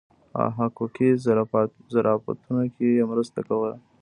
په حقوقي ظرافتونو کې یې مرسته کوله.